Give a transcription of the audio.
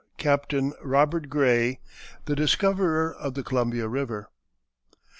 CAPTAIN ROBERT GRAY, THE DISCOVERER OF THE COLUMBIA RIVER.